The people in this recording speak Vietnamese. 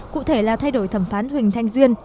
cụ thể là thay đổi thẩm phán huỳnh thanh duyên